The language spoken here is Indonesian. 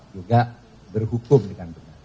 juga berhukum dengan benar